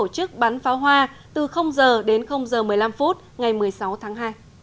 và sẽ tổ chức bán pháo hoa từ h đến h một mươi năm phút ngày một mươi sáu tháng hai